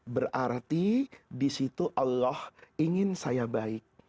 berarti di situ allah ingin saya baik